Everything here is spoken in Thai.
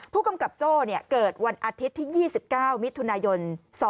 ผู้กำกับโจ้เกิดวันอาทิตย์ที่๒๙มิถุนายน๒๕๖